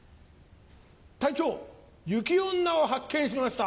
隊長雪女を発見しました。